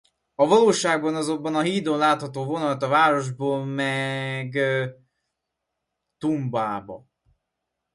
A valóságban azonban a hídon látható vonat a városból meg Tumba-ba.